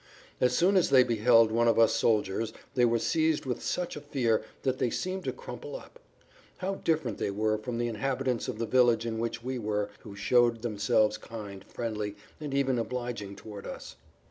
As soon as they beheld one of us soldiers they were seized with such a fear that they seemed to crumple up. How different they were from the inhabitants of the village in which we were, who showed themselves kind, friendly, and even obliging towards us.